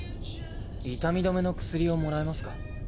痛み止めの薬をもらえますか？